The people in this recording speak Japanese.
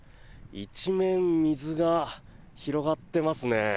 一面、水が広がってますね。